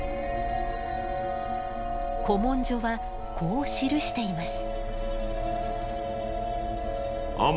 古文書はこう記しています。